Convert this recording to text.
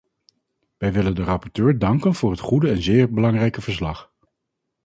Wij willen de rapporteur danken voor het goede en zeer belangrijke verslag.